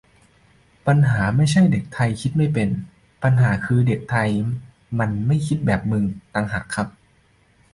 "ปัญหาไม่ใช่เด็กไทยคิดไม่เป็น ปัญหาคือเด็กไทยมันไม่คิดแบบมึงต่างหากครับ"